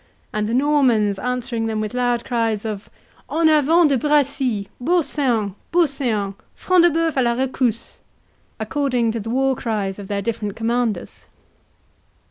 and the Normans answering them with loud cries of "En avant De Bracy!—Beau seant! Beau seant!—Front de Bœuf a la rescousse!" according to the war cries of their different commanders.